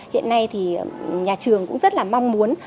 hiện nay thì nhà trường cũng rất là mong muốn